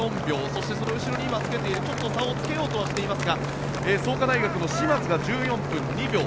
そして、その後ろちょっと差をつけようとはしていますが創価大学の嶋津が１４分２秒。